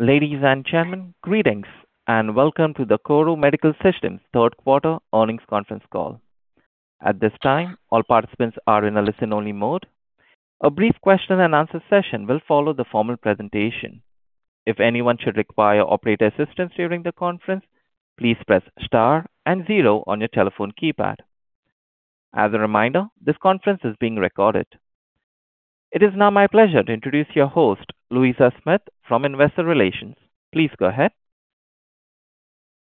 Ladies and gentlemen, greetings and welcome to the KORU Medical Systems third quarter earnings conference call. At this time, all participants are in a listen-only mode. A brief question-and-answer session will follow the formal presentation. If anyone should require operator assistance during the conference, please press star and zero on your telephone keypad. As a reminder, this conference is being recorded. It is now my pleasure to introduce your host, Louisa Smith, from Investor Relations. Please go ahead.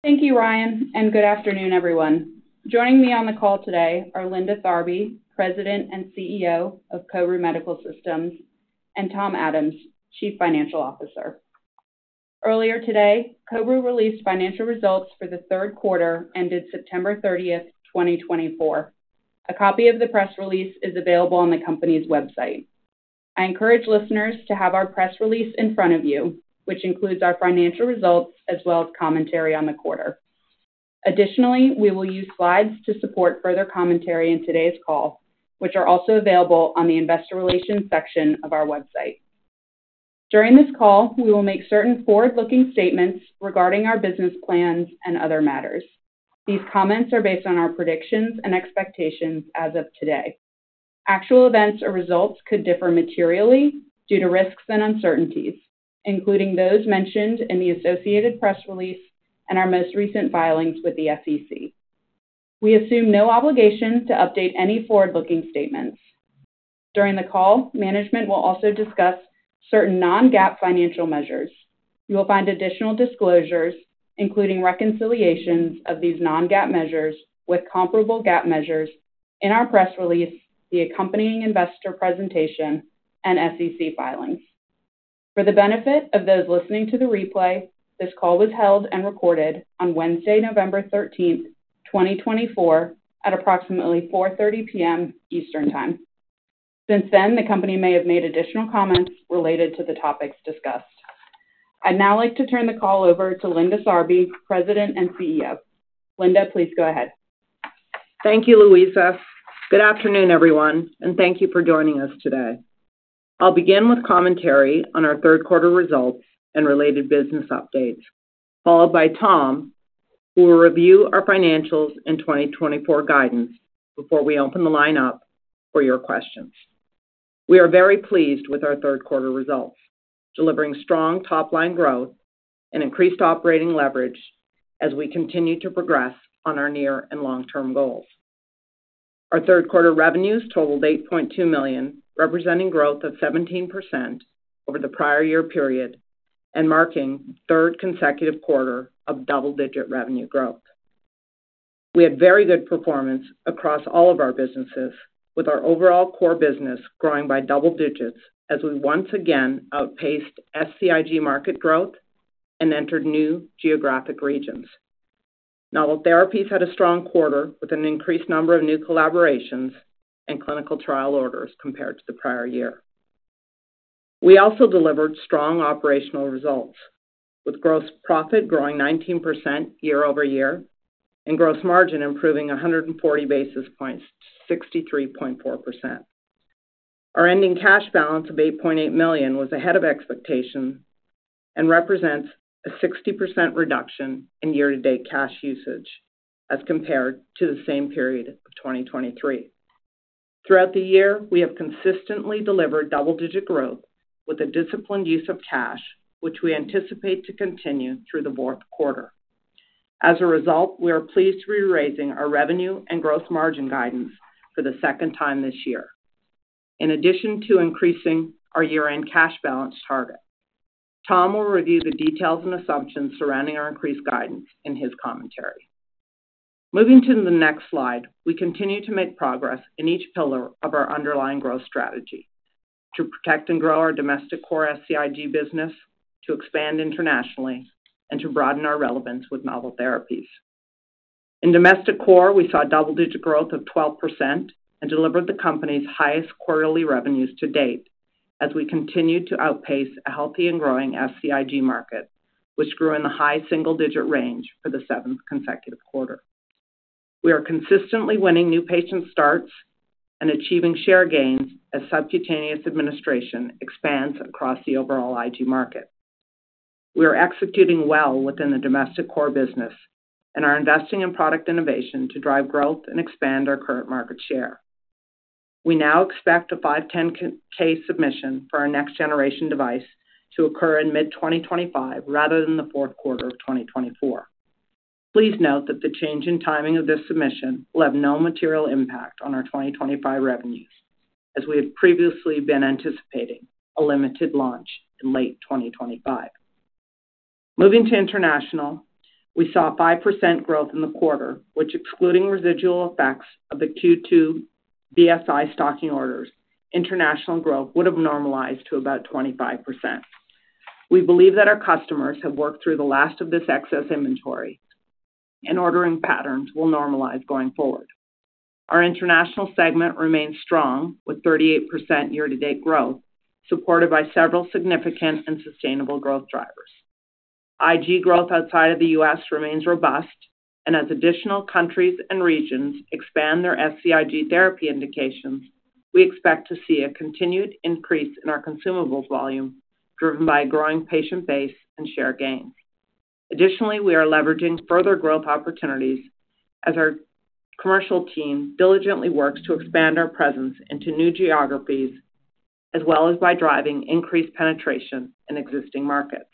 Thank you, Ryan, and good afternoon, everyone. Joining me on the call today are Linda Tharby, President and CEO of KORU Medical Systems, and Tom Adams, Chief Financial Officer. Earlier today, KORU released financial results for the third quarter ended September 30, 2024. A copy of the press release is available on the company's website. I encourage listeners to have our press release in front of you, which includes our financial results as well as commentary on the quarter. Additionally, we will use slides to support further commentary in today's call, which are also available on the Investor Relations section of our website. During this call, we will make certain forward-looking statements regarding our business plans and other matters. These comments are based on our predictions and expectations as of today. Actual events or results could differ materially due to risks and uncertainties, including those mentioned in the associated press release and our most recent filings with the SEC. We assume no obligation to update any forward-looking statements. During the call, management will also discuss certain non-GAAP financial measures. You will find additional disclosures, including reconciliations of these non-GAAP measures with comparable GAAP measures in our press release, the accompanying investor presentation, and SEC filings. For the benefit of those listening to the replay, this call was held and recorded on Wednesday, November 13, 2024, at approximately 4:30 p.m. Eastern Time. Since then, the company may have made additional comments related to the topics discussed. I'd now like to turn the call over to Linda Tharby, President and CEO. Linda, please go ahead. Thank you, Louisa. Good afternoon, everyone, and thank you for joining us today. I'll begin with commentary on our third quarter results and related business updates, followed by Tom, who will review our financials and 2024 guidance before we open the line up for your questions. We are very pleased with our third quarter results, delivering strong top-line growth and increased operating leverage as we continue to progress on our near and long-term goals. Our third quarter revenues totaled $8.2 million, representing growth of 17% over the prior year period and marking the third consecutive quarter of double-digit revenue growth. We had very good performance across all of our businesses, with our overall core business growing by double digits as we once again outpaced SCIG market growth and entered new geographic regions. Novel therapies had a strong quarter with an increased number of new collaborations and clinical trial orders compared to the prior year. We also delivered strong operational results, with gross profit growing 19% year over year and gross margin improving 140 basis points to 63.4%. Our ending cash balance of $8.8 million was ahead of expectation and represents a 60% reduction in year-to-date cash usage as compared to the same period of 2023. Throughout the year, we have consistently delivered double-digit growth with a disciplined use of cash, which we anticipate to continue through the fourth quarter. As a result, we are pleased to be raising our revenue and gross margin guidance for the second time this year, in addition to increasing our year-end cash balance target. Tom will review the details and assumptions surrounding our increased guidance in his commentary. Moving to the next slide, we continue to make progress in each pillar of our underlying growth strategy to protect and grow our domestic core SCIG business, to expand internationally, and to broaden our relevance with novel therapies. In domestic core, we saw double-digit growth of 12% and delivered the company's highest quarterly revenues to date as we continued to outpace a healthy and growing SCIG market, which grew in the high single-digit range for the seventh consecutive quarter. We are consistently winning new patient starts and achieving share gains as subcutaneous administration expands across the overall IG market. We are executing well within the domestic core business and are investing in product innovation to drive growth and expand our current market share. We now expect a 510(k) submission for our next-generation device to occur in mid-2025 rather than the fourth quarter of 2024. Please note that the change in timing of this submission left no material impact on our 2025 revenues, as we had previously been anticipating a limited launch in late 2025. Moving to international, we saw 5% growth in the quarter, which, excluding residual effects of the Q2 BSI stocking orders, international growth would have normalized to about 25%. We believe that our customers have worked through the last of this excess inventory, and ordering patterns will normalize going forward. Our international segment remains strong with 38% year-to-date growth, supported by several significant and sustainable growth drivers. IG growth outside of the U.S. remains robust, and as additional countries and regions expand their SCIG therapy indications, we expect to see a continued increase in our consumables volume driven by a growing patient base and share gains. Additionally, we are leveraging further growth opportunities as our commercial team diligently works to expand our presence into new geographies, as well as by driving increased penetration in existing markets.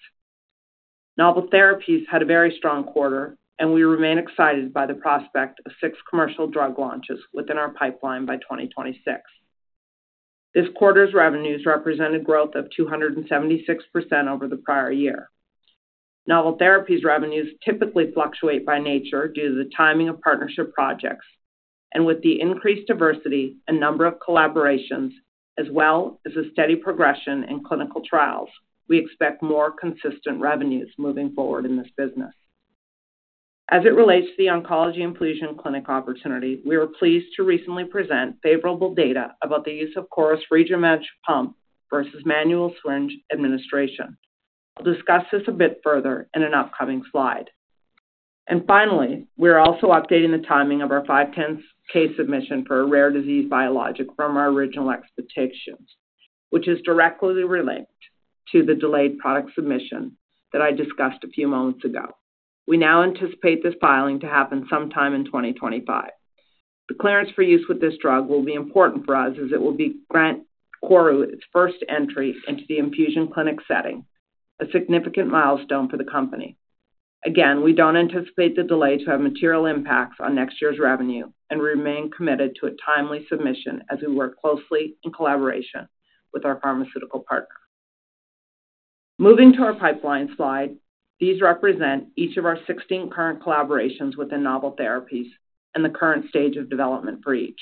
Novel therapies had a very strong quarter, and we remain excited by the prospect of six commercial drug launches within our pipeline by 2026. This quarter's revenues represented growth of 276% over the prior year. Novel therapies' revenues typically fluctuate by nature due to the timing of partnership projects, and with the increased diversity and number of collaborations, as well as a steady progression in clinical trials, we expect more consistent revenues moving forward in this business. As it relates to the oncology and infusion clinic opportunity, we were pleased to recently present favorable data about the use of KORU's FreedomEdge pump versus manual syringe administration. I'll discuss this a bit further in an upcoming slide. Finally, we are also updating the timing of our 510(k) submission for a rare disease biologic from our original expectations, which is directly related to the delayed product submission that I discussed a few moments ago. We now anticipate this filing to happen sometime in 2025. The clearance for use with this drug will be important for us as it will grant KORU its first entry into the infusion clinic setting, a significant milestone for the company. Again, we don't anticipate the delay to have material impacts on next year's revenue, and we remain committed to a timely submission as we work closely in collaboration with our pharmaceutical partner. Moving to our pipeline slide, these represent each of our 16 current collaborations within novel therapies and the current stage of development for each.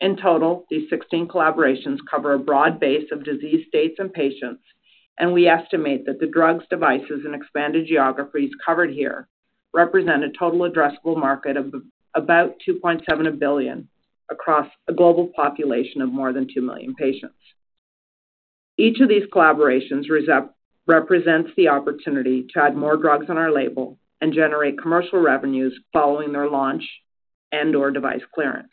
In total, these 16 collaborations cover a broad base of disease states and patients, and we estimate that the drugs, devices, and expanded geographies covered here represent a total addressable market of about $2.7 billion across a global population of more than two million patients. Each of these collaborations represents the opportunity to add more drugs on our label and generate commercial revenues following their launch and/or device clearance.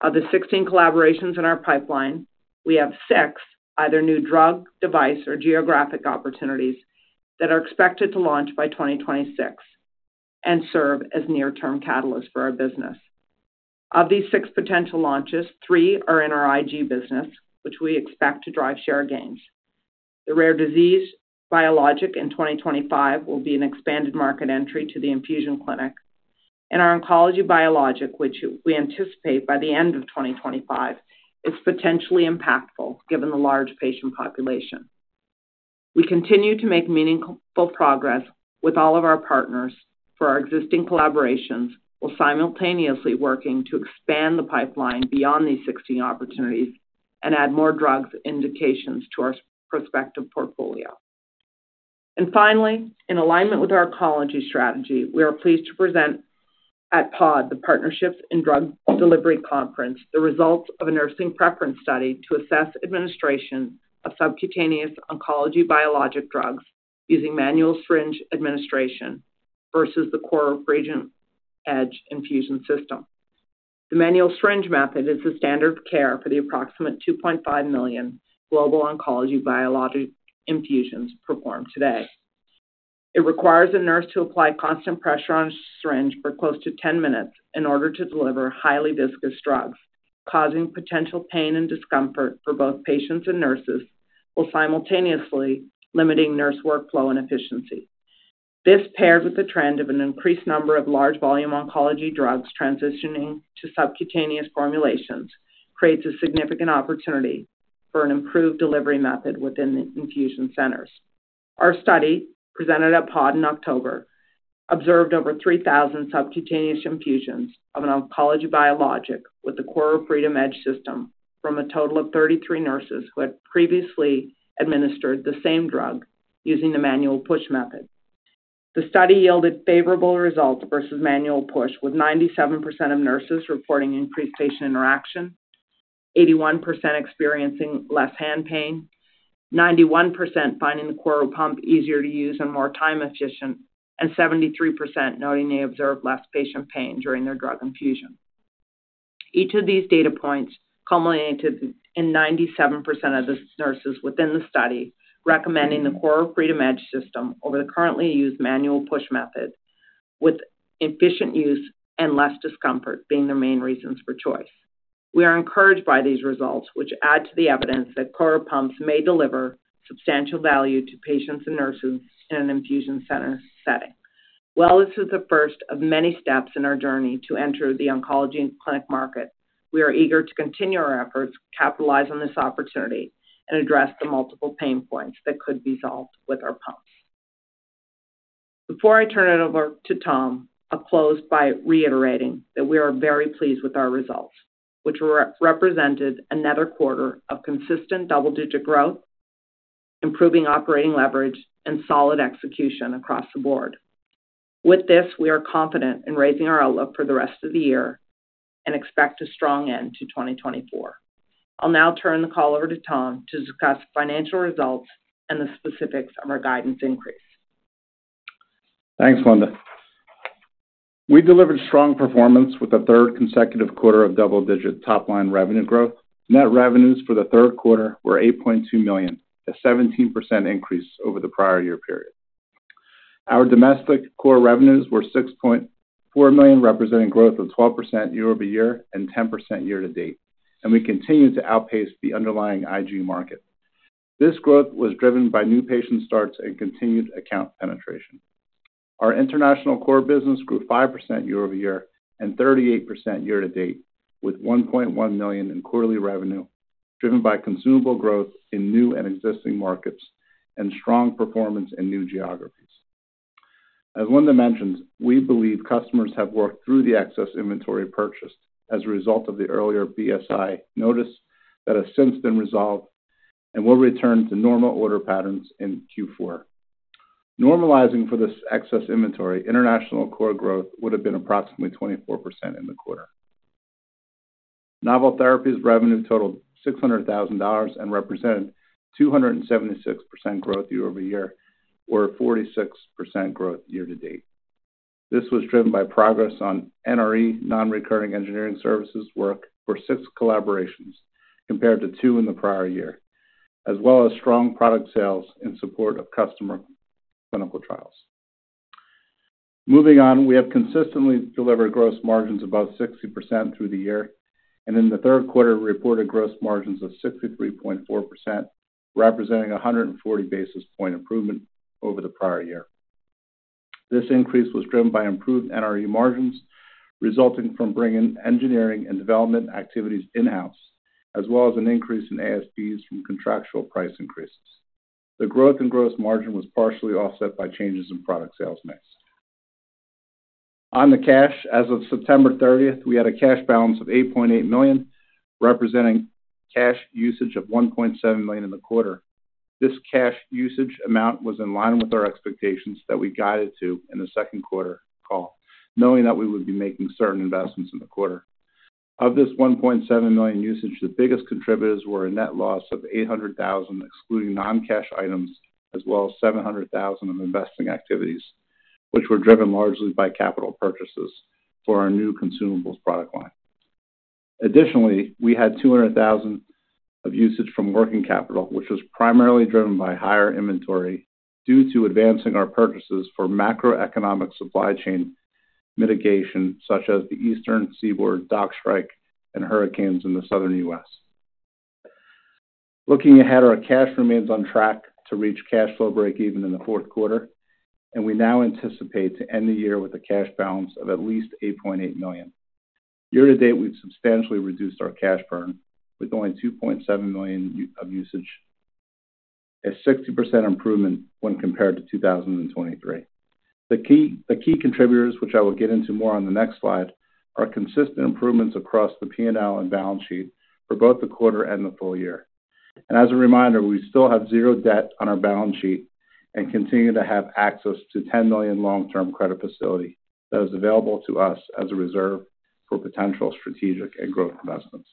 Of the 16 collaborations in our pipeline, we have six either new drug, device, or geographic opportunities that are expected to launch by 2026 and serve as near-term catalysts for our business. Of these six potential launches, three are in our IG business, which we expect to drive share gains. The rare disease biologic in 2025 will be an expanded market entry to the infusion clinic, and our oncology biologic, which we anticipate by the end of 2025, is potentially impactful given the large patient population. We continue to make meaningful progress with all of our partners for our existing collaborations, while simultaneously working to expand the pipeline beyond these 16 opportunities and add more drugs indications to our prospective portfolio, and finally, in alignment with our oncology strategy, we are pleased to present at PODD, the Partnerships in Drug Delivery Conference, the results of a nursing preference study to assess administration of subcutaneous oncology biologic drugs using manual syringe administration versus the KORU FreedomEdge infusion system. The manual syringe method is the standard of care for the approximate 2.5 million global oncology biologic infusions performed today. It requires a nurse to apply constant pressure on a syringe for close to 10 minutes in order to deliver highly viscous drugs, causing potential pain and discomfort for both patients and nurses, while simultaneously limiting nurse workflow and efficiency. This, paired with the trend of an increased number of large-volume oncology drugs transitioning to subcutaneous formulations, creates a significant opportunity for an improved delivery method within the infusion centers. Our study, presented at PODD in October, observed over 3,000 subcutaneous infusions of an oncology biologic with the KORU FreedomEdge system from a total of 33 nurses who had previously administered the same drug using the manual push method. The study yielded favorable results versus manual push, with 97% of nurses reporting increased patient interaction, 81% experiencing less hand pain, 91% finding the KORU pump easier to use and more time efficient, and 73% noting they observed less patient pain during their drug infusion. Each of these data points culminated in 97% of the nurses within the study recommending the KORU FreedomEdge system over the currently used manual push method, with efficient use and less discomfort being their main reasons for choice. We are encouraged by these results, which add to the evidence that KORU pumps may deliver substantial value to patients and nurses in an infusion center setting. While this is the first of many steps in our journey to enter the oncology clinic market, we are eager to continue our efforts, capitalize on this opportunity, and address the multiple pain points that could be solved with our pumps. Before I turn it over to Tom, I'll close by reiterating that we are very pleased with our results, which represented another quarter of consistent double-digit growth, improving operating leverage, and solid execution across the board. With this, we are confident in raising our outlook for the rest of the year and expect a strong end to 2024. I'll now turn the call over to Tom to discuss financial results and the specifics of our guidance increase. Thanks, Linda. We delivered strong performance with a third consecutive quarter of double-digit top-line revenue growth, and that revenues for the third quarter were $8.2 million, a 17% increase over the prior year period. Our domestic core revenues were $6.4 million, representing growth of 12% year-over-year and 10% year-to-date, and we continued to outpace the underlying IG market. This growth was driven by new patient starts and continued account penetration. Our international core business grew 5% year-over-year and 38% year-to-date, with $1.1 million in quarterly revenue driven by consumable growth in new and existing markets and strong performance in new geographies. As Linda mentioned, we believe customers have worked through the excess inventory purchased as a result of the earlier BSI notice that has since been resolved and will return to normal order patterns in Q4. Normalizing for this excess inventory, international core growth would have been approximately 24% in the quarter. Novel therapies' revenue totaled $600,000 and represented 276% growth year-over-year or 46% growth year-to-date. This was driven by progress on NRE, non-recurring engineering services work for six collaborations compared to two in the prior year, as well as strong product sales in support of customer clinical trials. Moving on, we have consistently delivered gross margins above 60% through the year, and in the third quarter, we reported gross margins of 63.4%, representing a 140 basis points improvement over the prior year. This increase was driven by improved NRE margins resulting from bringing engineering and development activities in-house, as well as an increase in ASPs from contractual price increases. The growth in gross margin was partially offset by changes in product sales mix. On the cash, as of September 30th, we had a cash balance of $8.8 million, representing cash usage of $1.7 million in the quarter. This cash usage amount was in line with our expectations that we guided to in the second quarter call, knowing that we would be making certain investments in the quarter. Of this $1.7 million usage, the biggest contributors were a net loss of $800,000, excluding non-cash items, as well as $700,000 of investing activities, which were driven largely by capital purchases for our new consumables product line. Additionally, we had $200,000 of usage from working capital, which was primarily driven by higher inventory due to advancing our purchases for macroeconomic supply chain mitigation, such as the Eastern Seaboard dock strike and hurricanes in the Southern U.S. Looking ahead, our cash remains on track to reach cash flow break-even in the fourth quarter, and we now anticipate to end the year with a cash balance of at least $8.8 million. Year-to-date, we've substantially reduced our cash burn with only $2.7 million of usage, a 60% improvement when compared to 2023. The key contributors, which I will get into more on the next slide, are consistent improvements across the P&L and balance sheet for both the quarter and the full year. And as a reminder, we still have zero debt on our balance sheet and continue to have access to $10 million long-term credit facility that is available to us as a reserve for potential strategic and growth investments.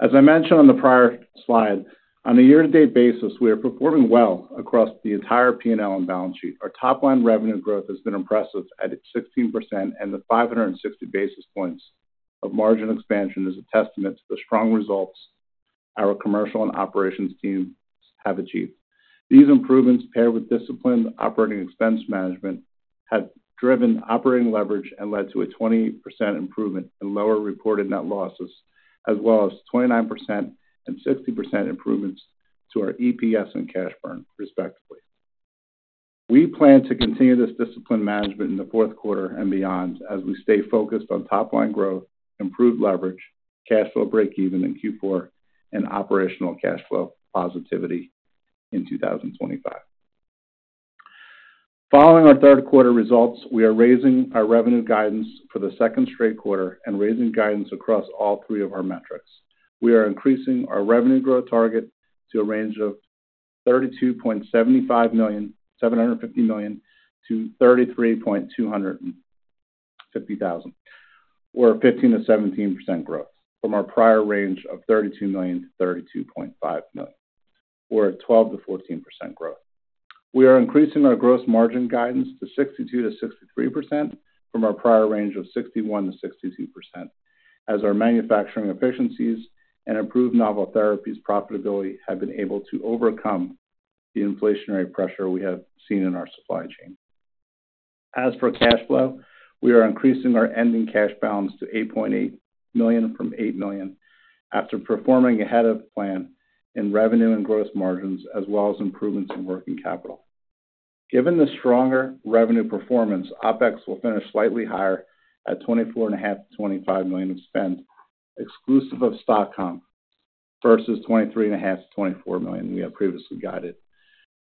As I mentioned on the prior slide, on a year-to-date basis, we are performing well across the entire P&L and balance sheet. Our top-line revenue growth has been impressive at 16%, and the 560 basis points of margin expansion is a testament to the strong results our commercial and operations teams have achieved. These improvements, paired with disciplined operating expense management, have driven operating leverage and led to a 20% improvement in lower reported net losses, as well as 29% and 60% improvements to our EPS and cash burn, respectively. We plan to continue this disciplined management in the fourth quarter and beyond as we stay focused on top-line growth, improved leverage, cash flow break-even in Q4, and operational cash flow positivity in 2025. Following our third quarter results, we are raising our revenue guidance for the second straight quarter and raising guidance across all three of our metrics. We are increasing our revenue growth target to a range of $32.75 million-$33.25 million. We're at 15%-17% growth from our prior range of $32 million-$32.5 million. We're at 12%-14% growth. We are increasing our gross margin guidance to 62%-63% from our prior range of 61%-62%, as our manufacturing efficiencies and improved novel therapies profitability have been able to overcome the inflationary pressure we have seen in our supply chain. As for cash flow, we are increasing our ending cash balance to $8.8 million from $8 million after performing ahead of plan in revenue and gross margins, as well as improvements in working capital. Given the stronger revenue performance, OPEX will finish slightly higher at $24.5 million-$25 million of spend, exclusive of stock comp versus $23.5 million-$24 million we have previously guided.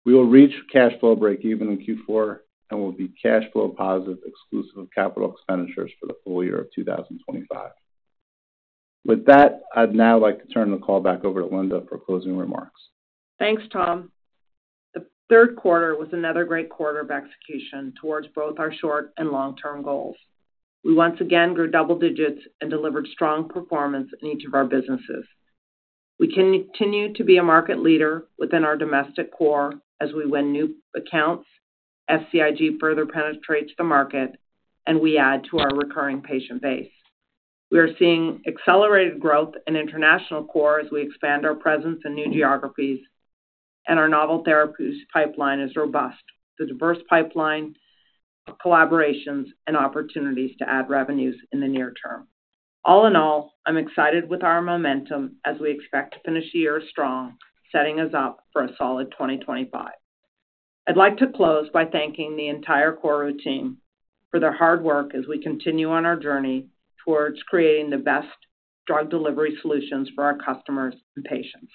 We will reach cash flow break-even in Q4 and will be cash flow positive, exclusive of capital expenditures for the full year of 2025. With that, I'd now like to turn the call back over to Linda for closing remarks. Thanks, Tom. The third quarter was another great quarter of execution toward both our short and long-term goals. We once again grew double digits and delivered strong performance in each of our businesses. We continue to be a market leader within our domestic core as we win new accounts, SCIG further penetrates the market, and we add to our recurring patient base. We are seeing accelerated growth in international core as we expand our presence in new geographies, and our novel therapies pipeline is robust with a diverse pipeline of collaborations and opportunities to add revenues in the near term. All in all, I'm excited with our momentum as we expect to finish the year strong, setting us up for a solid 2025. I'd like to close by thanking the entire KORU team for their hard work as we continue on our journey towards creating the best drug delivery solutions for our customers and patients.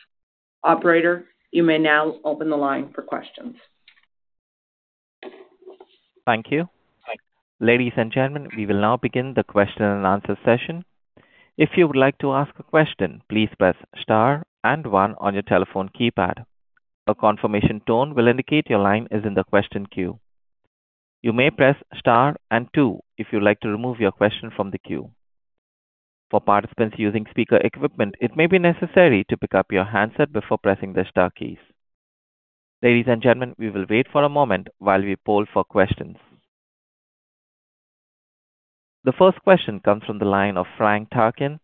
Operator, you may now open the line for questions. Thank you. Ladies and gentlemen, we will now begin the question and answer session. If you would like to ask a question, please press star and one on your telephone keypad. A confirmation tone will indicate your line is in the question queue. You may press star and two if you'd like to remove your question from the queue. For participants using speaker equipment, it may be necessary to pick up your handset before pressing the star keys. Ladies and gentlemen, we will wait for a moment while we poll for questions. The first question comes from the line of Frank Takkinen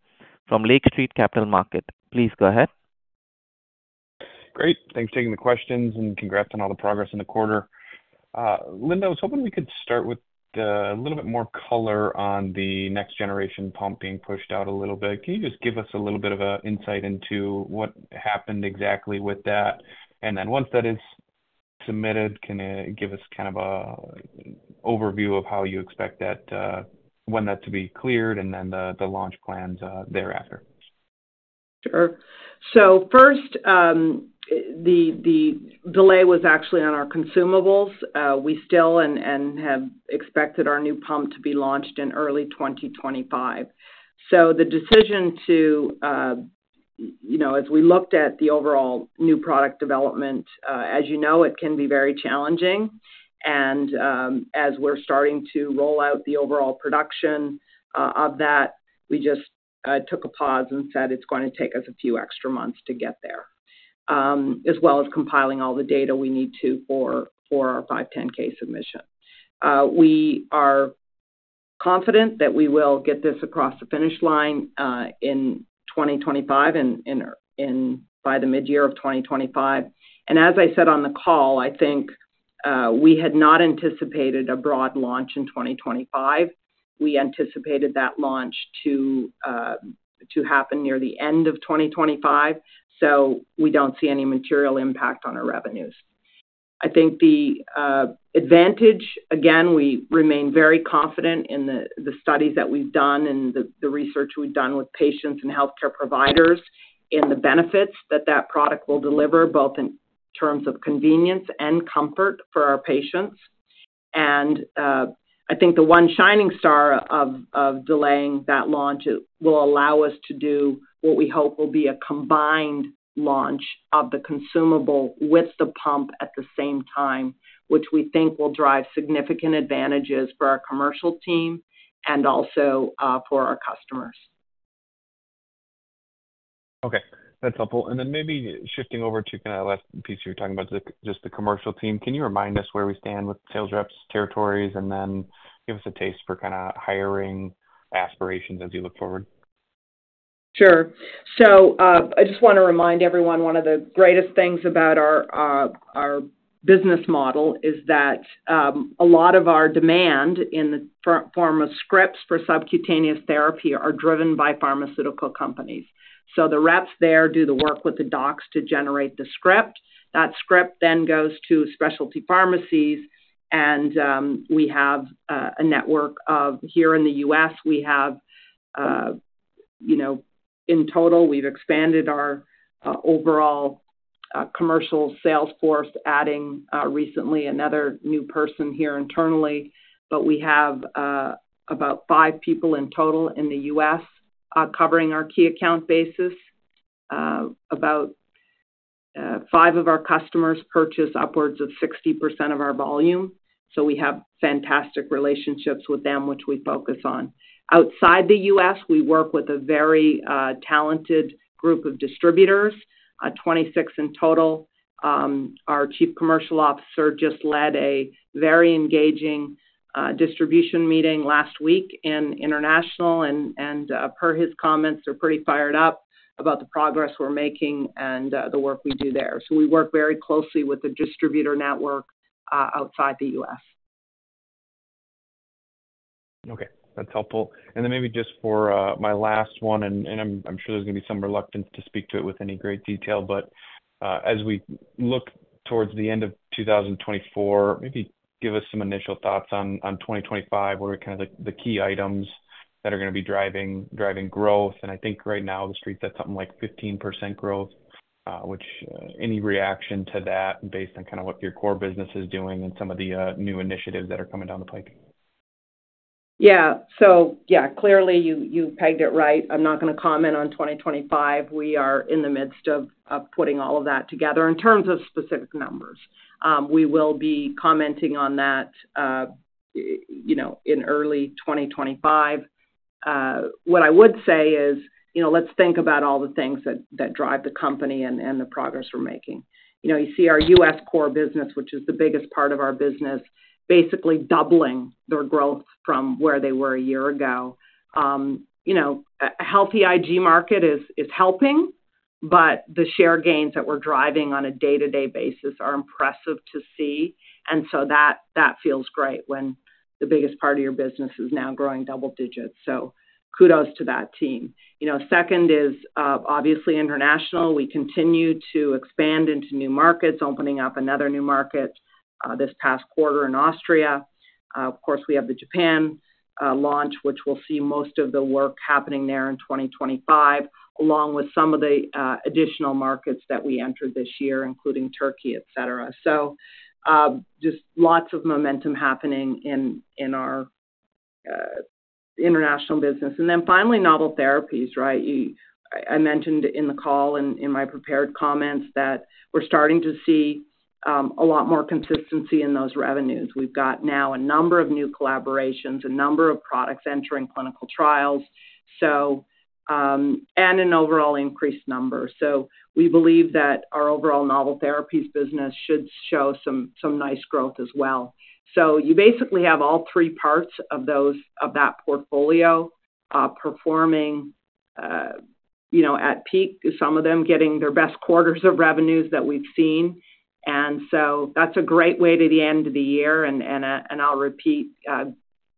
from Lake Street Capital Markets. Please go ahead. Great. Thanks for taking the questions and congrats on all the progress in the quarter. Linda, I was hoping we could start with a little bit more color on the next generation pump being pushed out a little bit. Can you just give us a little bit of an insight into what happened exactly with that? And then once that is submitted, can you give us kind of an overview of how you expect to be cleared and then the launch plans thereafter? Sure. So first, the delay was actually on our consumables. We still have expected our new pump to be launched in early 2025. So the decision to, as we looked at the overall new product development, as you know, it can be very challenging. And as we're starting to roll out the overall production of that, we just took a pause and said it's going to take us a few extra months to get there, as well as compiling all the data we need to for our 510(k) submission. We are confident that we will get this across the finish line in 2025 and by the mid-year of 2025. And as I said on the call, I think we had not anticipated a broad launch in 2025. We anticipated that launch to happen near the end of 2025, so we don't see any material impact on our revenues. I think the advantage, again, we remain very confident in the studies that we've done and the research we've done with patients and healthcare providers and the benefits that that product will deliver, both in terms of convenience and comfort for our patients, and I think the one shining star of delaying that launch will allow us to do what we hope will be a combined launch of the consumable with the pump at the same time, which we think will drive significant advantages for our commercial team and also for our customers. Okay. That's helpful. And then maybe shifting over to kind of the last piece you were talking about, just the commercial team, can you remind us where we stand with sales reps, territories, and then give us a taste for kind of hiring aspirations as you look forward? Sure. So I just want to remind everyone one of the greatest things about our business model is that a lot of our demand in the form of scripts for subcutaneous therapy are driven by pharmaceutical companies. So the reps there do the work with the docs to generate the script. That script then goes to specialty pharmacies, and we have a network of here in the U.S. In total, we've expanded our overall commercial sales force, adding recently another new person here internally. But we have about five people in total in the U.S. covering our key account basis. About five of our customers purchase upwards of 60% of our volume. So we have fantastic relationships with them, which we focus on. Outside the U.S., we work with a very talented group of distributors, 26 in total. Our Chief Commercial Officer just led a very engaging distribution meeting last week in international, and per his comments, they're pretty fired up about the progress we're making and the work we do there, so we work very closely with the distributor network outside the U.S. Okay. That's helpful. And then maybe just for my last one, and I'm sure there's going to be some reluctance to speak to it with any great detail, but as we look towards the end of 2024, maybe give us some initial thoughts on 2025, what are kind of the key items that are going to be driving growth? And I think right now the street's at something like 15% growth, which any reaction to that based on kind of what your core business is doing and some of the new initiatives that are coming down the pike? Yeah. So yeah, clearly you pegged it right. I'm not going to comment on 2025. We are in the midst of putting all of that together in terms of specific numbers. We will be commenting on that in early 2025. What I would say is let's think about all the things that drive the company and the progress we're making. You see our U.S. core business, which is the biggest part of our business, basically doubling their growth from where they were a year ago. A healthy IG market is helping, but the share gains that we're driving on a day-to-day basis are impressive to see. And so that feels great when the biggest part of your business is now growing double digits. So kudos to that team. Second is obviously international. We continue to expand into new markets, opening up another new market this past quarter in Austria. Of course, we have the Japan launch, which we'll see most of the work happening there in 2025, along with some of the additional markets that we entered this year, including Turkey, etc. So just lots of momentum happening in our international business. And then finally, novel therapies, right? I mentioned in the call and in my prepared comments that we're starting to see a lot more consistency in those revenues. We've got now a number of new collaborations, a number of products entering clinical trials, and an overall increased number. So we believe that our overall novel therapies business should show some nice growth as well. So you basically have all three parts of that portfolio performing at peak, some of them getting their best quarters of revenues that we've seen. That's a great way to end the year, and I'll repeat.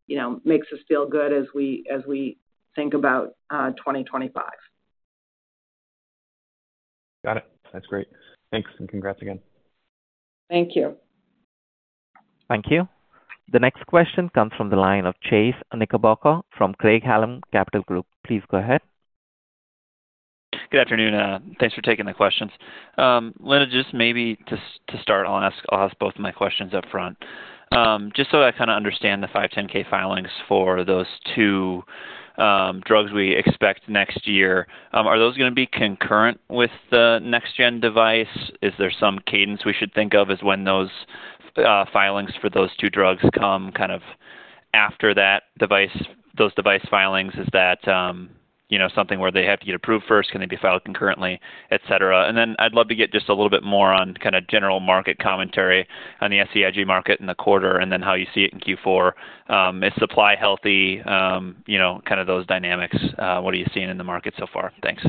It makes us feel good as we think about 2025. Got it. That's great. Thanks and congrats again. Thank you. Thank you. The next question comes from the line of Chase Knickerbocker from Craig-Hallum Capital Group. Please go ahead. Good afternoon. Thanks for taking the questions. Linda, just maybe to start, I'll ask both of my questions upfront. Just so I kind of understand the 510(k) filings for those two drugs we expect next year, are those going to be concurrent with the next-gen device? Is there some cadence we should think of as when those filings for those two drugs come kind of after those device filings? Is that something where they have to get approved first? Can they be filed concurrently, etc.? And then I'd love to get just a little bit more on kind of general market commentary on the SCIG market in the quarter and then how you see it in Q4. Is supply healthy? Kind of those dynamics. What are you seeing in the market so far? Thanks.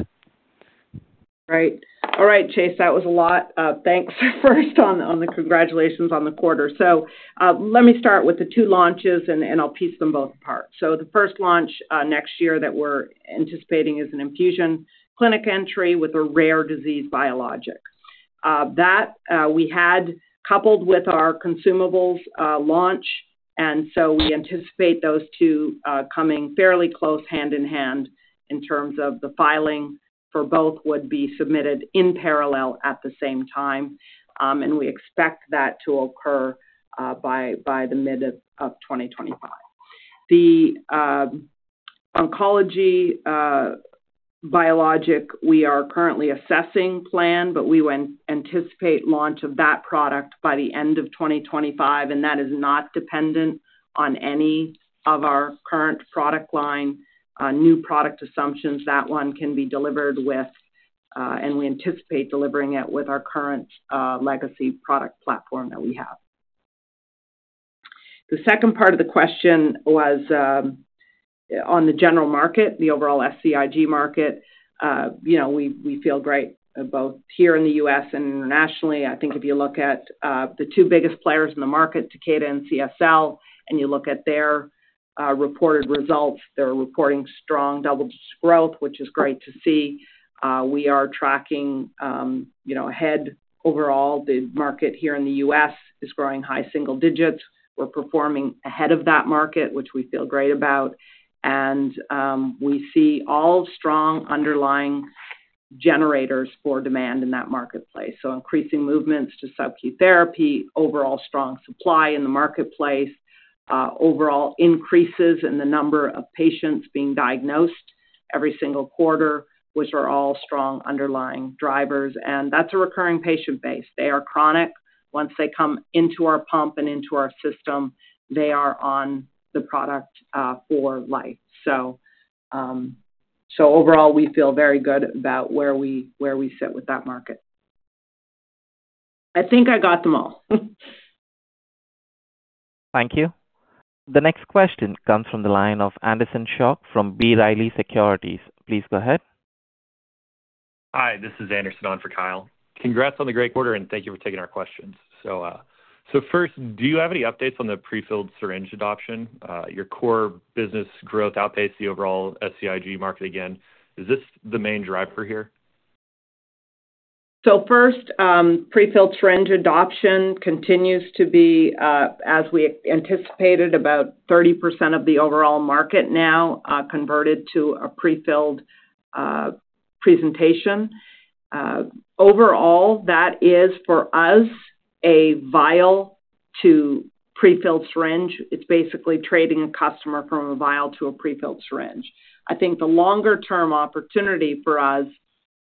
Right. All right, Chase, that was a lot. Thanks first on the congratulations on the quarter. So let me start with the two launches, and I'll piece them both apart. So the first launch next year that we're anticipating is an infusion clinic entry with a rare disease biologic. That we had coupled with our consumables launch, and so we anticipate those two coming fairly close hand in hand in terms of the filing for both would be submitted in parallel at the same time. And we expect that to occur by the mid of 2025. The oncology biologic we are currently assessing plan, but we anticipate launch of that product by the end of 2025, and that is not dependent on any of our current product line new product assumptions. That one can be delivered, and we anticipate delivering it with our current legacy product platform that we have. The second part of the question was on the general market, the overall SCIG market. We feel great both here in the U.S. and internationally. I think if you look at the two biggest players in the market, Takeda and CSL, and you look at their reported results, they're reporting strong double digits growth, which is great to see. We are tracking ahead overall. The market here in the U.S. is growing high single digits. We're performing ahead of that market, which we feel great about. And we see all strong underlying generators for demand in that marketplace. So increasing movements to subcutaneous therapy, overall strong supply in the marketplace, overall increases in the number of patients being diagnosed every single quarter, which are all strong underlying drivers. And that's a recurring patient base. They are chronic. Once they come into our pump and into our system, they are on the product for life. So overall, we feel very good about where we sit with that market. I think I got them all. Thank you. The next question comes from the line of Anderson Schock from B. Riley Securities. Please go ahead. Hi, this is Anderson on for Kyle. Congrats on the great quarter, and thank you for taking our questions. First, do you have any updates on the prefilled syringe adoption? Your core business growth outpaced the overall SCIG market again. Is this the main driver here? First, prefilled syringe adoption continues to be, as we anticipated, about 30% of the overall market now converted to a prefilled presentation. Overall, that is for us a vial to prefilled syringe. It's basically trading a customer from a vial to a prefilled syringe. I think the longer-term opportunity for us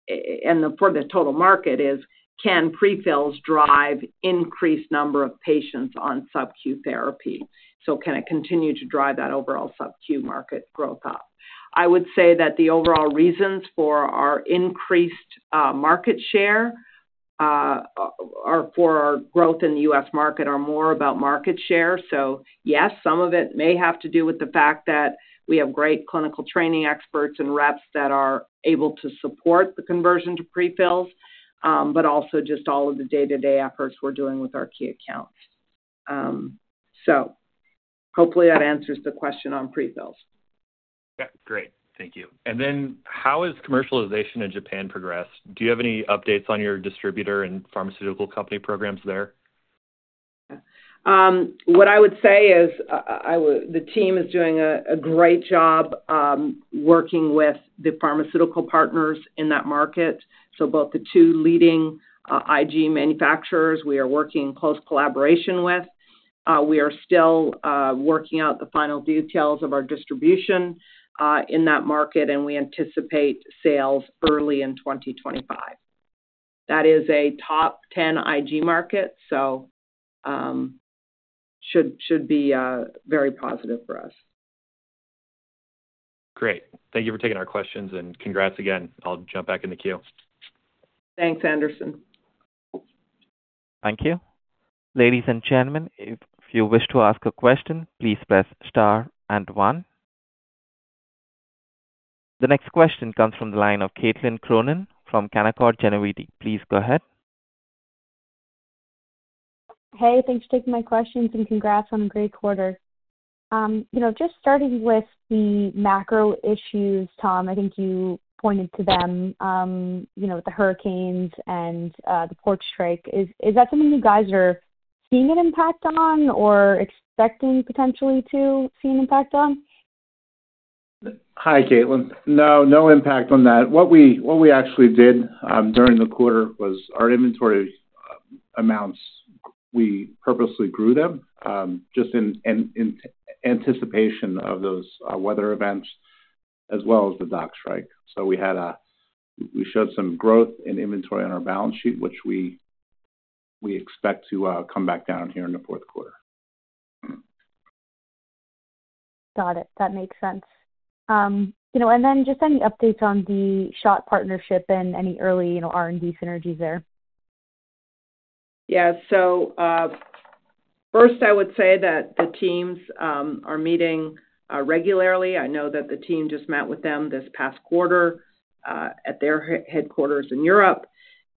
and for the total market is, can prefills drive increased number of patients on subcutaneous therapy? So, can it continue to drive that overall subcutaneous market growth up? I would say that the overall reasons for our increased market share or for our growth in the U.S. market are more about market share. So yes, some of it may have to do with the fact that we have great clinical training experts and reps that are able to support the conversion to prefills, but also just all of the day-to-day efforts we're doing with our key accounts. Hopefully that answers the question on prefills. Yeah. Great. Thank you. And then how has commercialization in Japan progressed? Do you have any updates on your distributor and pharmaceutical company programs there? What I would say is the team is doing a great job working with the pharmaceutical partners in that market. So both the two leading IG manufacturers we are working in close collaboration with. We are still working out the final details of our distribution in that market, and we anticipate sales early in 2025. That is a top 10 IG market, so should be very positive for us. Great. Thank you for taking our questions, and congrats again. I'll jump back in the queue. Thanks, Anderson. Thank you. Ladies and gentlemen, if you wish to ask a question, please press star and one. The next question comes from the line of Caitlin Cronin from Canaccord Genuity. Please go ahead. Hey, thanks for taking my questions and congrats on a great quarter. Just starting with the macro issues, Tom, I think you pointed to them with the hurricanes and the port strike. Is that something you guys are seeing an impact on or expecting potentially to see an impact on? Hi, Caitlin. No, no impact on that. What we actually did during the quarter was our inventory amounts. We purposely grew them just in anticipation of those weather events as well as the doc strike. So we showed some growth in inventory on our balance sheet, which we expect to come back down here in the fourth quarter. Got it. That makes sense. And then just any updates on the SCHOTT partnership and any early R&D synergies there? Yeah. So first, I would say that the teams are meeting regularly. I know that the team just met with them this past quarter at their headquarters in Europe.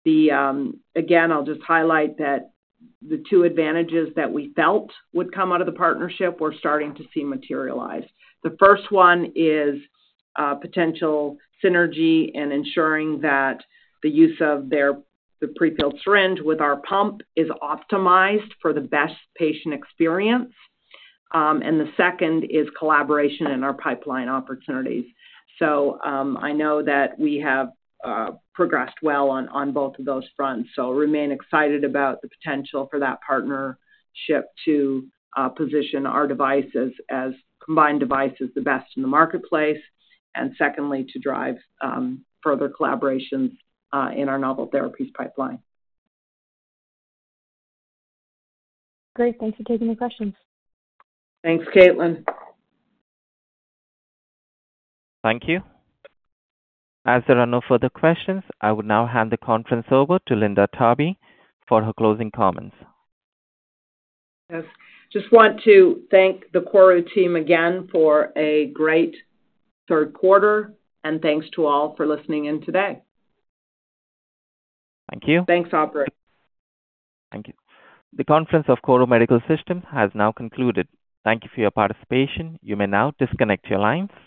Again, I'll just highlight that the two advantages that we felt would come out of the partnership we're starting to see materialize. The first one is potential synergy and ensuring that the use of their prefilled syringe with our pump is optimized for the best patient experience. And the second is collaboration in our pipeline opportunities. So I know that we have progressed well on both of those fronts. So remain excited about the potential for that partnership to position our devices as combined devices the best in the marketplace. And secondly, to drive further collaborations in our novel therapies pipeline. Great. Thanks for taking the questions. Thanks, Caitlin. Thank you. As there are no further questions, I will now hand the conference over to Linda Tharby for her closing comments. Just want to thank the KORU team again for a great third quarter, and thanks to all for listening in today. Thank you. Thanks, Auburn. Thank you. The conference of KORU Medical Systems has now concluded. Thank you for your participation. You may now disconnect your lines.